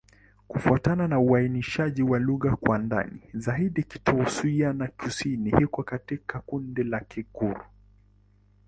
Kufuatana na uainishaji wa lugha kwa ndani zaidi, Kitoussian-Kusini iko katika kundi la Kigur.